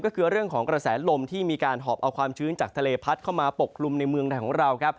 ก็คือเรื่องของกระแสลมที่มีการหอบเอาความชื้นจากทะเลพัดเข้ามาปกกลุ่มในเมืองไทยของเราครับ